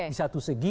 di satu segi